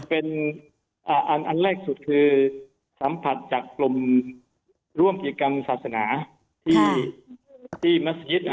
เป็นอันแรกสุดคือสัมผัสจากกลุ่มร่วมกิจกรรมศาสนาที่เมื่อกี้